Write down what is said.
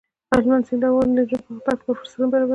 هلمند سیند د افغان نجونو د پرمختګ لپاره فرصتونه برابروي.